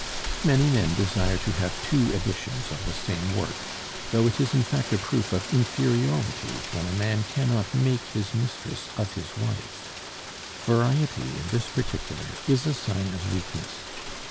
Many men desire to have two editions of the same work, though it is in fact a proof of inferiority when a man cannot make his mistress of his wife. Variety in this particular is a sign of weakness.